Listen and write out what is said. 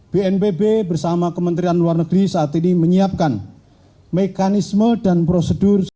bnpb bersama kementerian luar negeri saat ini menyiapkan mekanisme dan prosedur